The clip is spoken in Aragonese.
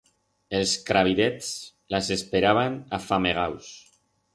Els crabidets las esperaban afamegaus.